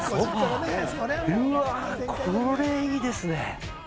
これいいですね。